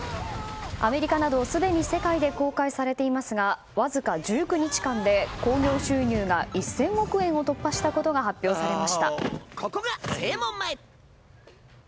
アメリカでも公開されていますがわずか１９日間で興行収入が１０００億円を突破したことが明らかになりました。